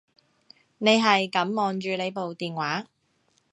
你係噉望住你部電話